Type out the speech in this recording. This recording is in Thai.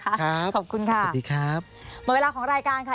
ครับสวัสดีครับขอบคุณค่ะมาเวลาของรายการค่ะ